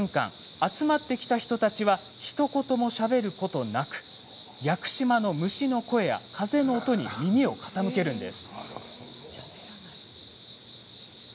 集まってきた人たちはひと言もしゃべることなく屋久島の虫の声や風の音に耳を傾けます。